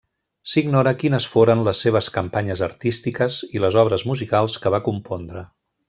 S'ignora quines foren les seves campanyes artístiques i les obres musicals que va compondre.